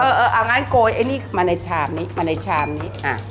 เอางั้นโกยมาในชามนี้